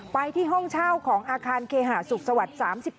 ไปที่ห้องเช่าของอาคารเคหาสุขสวัสดิ์๓๗